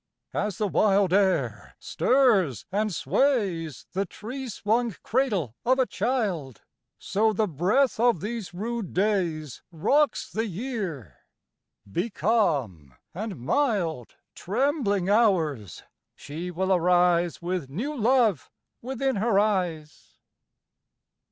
3. As the wild air stirs and sways The tree swung cradle of a child, So the breath of these rude days _15 Rocks the Year: be calm and mild, Trembling Hours, she will arise With new love within her eyes.